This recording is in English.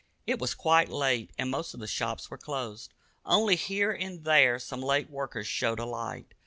It was quite late, and most of the shops were closed. Only here and there some late worker showed a light.